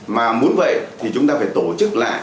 mà muốn vậy thì chúng ta phải tổ chức lại